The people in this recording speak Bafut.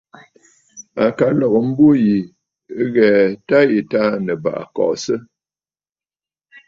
À ka lɔ̀gə mbû yì ɨ ghɛ tâ yì Taà Nɨ̀bàʼà kɔʼɔsə.